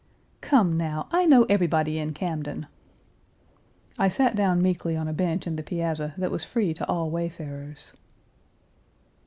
"Come, now, I know everybody in Camden." I sat down meekly on a bench in the piazza, that was free to all wayfarers.